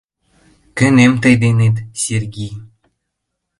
— Кӧнем тый денет, Сергий!